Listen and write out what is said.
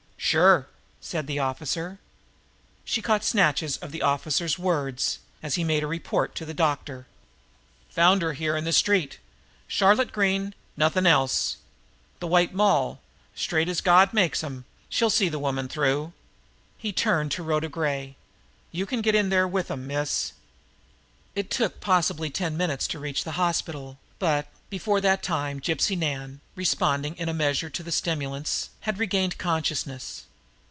"Sure!" said the officer. She caught snatches of the officer's words, as he made a report to the doctor: "Found her here in the street...Charlotte Green...nothing else...the White Moll, straight as God makes 'em...she'll see the woman through." He turned to Rhoda Gray. "You can get in there with them, miss." It took possibly ten minutes to reach the hospital, but, before that time, Gypsy Nan, responding in a measure to stimulants, had regained consciousness.